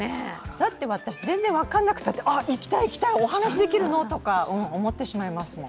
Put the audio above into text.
だって私、全然、分からないのに行きたい、行きたい、お話できるのとか思ってしまいますもん。